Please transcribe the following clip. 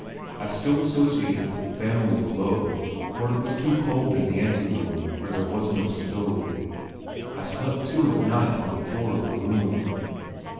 I still associated with the family below, for it was too cold in the ante room where there was no stove. I slept, too, at night on the floor of the room.